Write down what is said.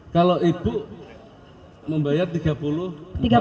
kalau ibu membayar tiga puluh juta